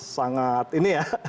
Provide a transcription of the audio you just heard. sangat ini ya